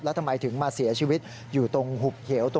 แล้วทำไมถึงมาเสียชีวิตอยู่ตรงหุบเขียว